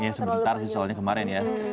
ya sebentar sih soalnya kemarin ya